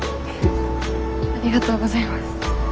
ありがとうございます。